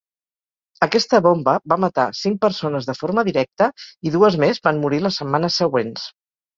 Aquesta bomba va matar cinc persones de forma directa i dues més van morir les setmanes següents.